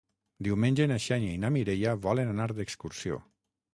Diumenge na Xènia i na Mireia volen anar d'excursió.